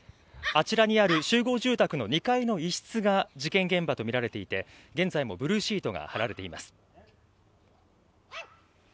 あちらにある集合住宅の２階の一室が事件現場とみられていて現在もブルーシートが張られています。